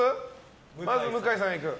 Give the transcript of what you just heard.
まず向井さんがいく。